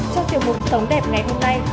trong chiều mùa sống đẹp ngày hôm nay